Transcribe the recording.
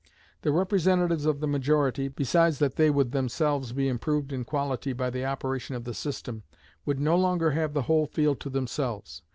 The representatives of the majority, besides that they would themselves be improved in quality by the operation of the system, would no longer have the whole field to themselves.